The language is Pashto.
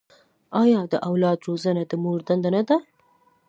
آیا د اولاد روزنه د مور دنده نه ده؟